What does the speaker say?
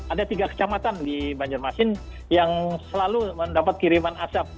ada tiga kecamatan di banjarmasin yang selalu mendapat kiriman asap